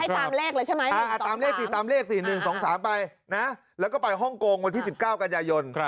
ตามเลขเลยใช่ไหมตามเลข๔ตามเลข๔๑๒๓ไปนะแล้วก็ไปฮ่องกงวันที่๑๙กันยายน